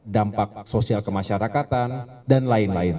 dampak sosial kemasyarakatan dan lain lain